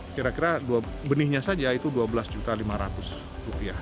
kira kira dua benihnya saja itu dua belas lima ratus rupiah